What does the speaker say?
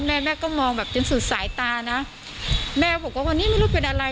แม่แม่ก็มองแบบเต็มสุดสายตานะแม่บอกว่าวันนี้ไม่รู้เป็นอะไร